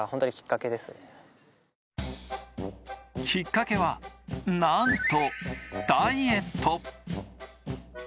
きっかけは、なんとダイエット。